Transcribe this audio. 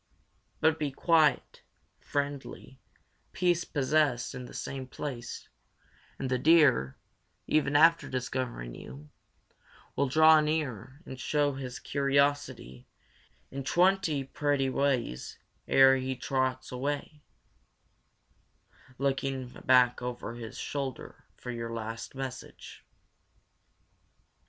But be quiet, friendly, peace possessed in the same place, and the deer, even after discovering you, will draw near and show his curiosity in twenty pretty ways ere he trots away, looking back over his shoulder for your last message.